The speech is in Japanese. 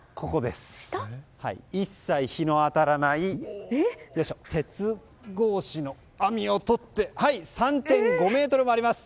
一切日の当たらない鉄格子の網をとって３．５ｍもあります。